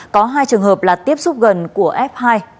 có hai trường hợp là tiếp xúc gần của f hai